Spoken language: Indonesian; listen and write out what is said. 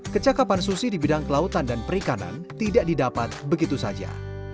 kecakapan susi di bidang kelautan dan perikanan tidak didapat begitu saja